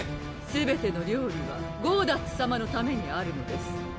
すべての料理はゴーダッツさまのためにあるのです